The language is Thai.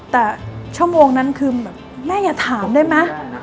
แต่ชั่วโมงนั้นคือแบบแม่อย่าถามได้ไหม